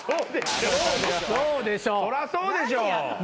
そらそうでしょ。